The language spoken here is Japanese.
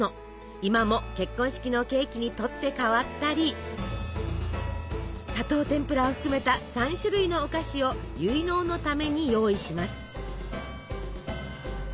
今も結婚式のケーキに取って代わったり砂糖てんぷらを含めた３種類のお菓子を結納のために用意します。